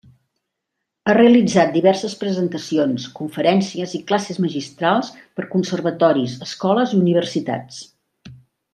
Ha realitzat diverses presentacions, conferències i classes magistrals per a conservatoris, escoles i universitats.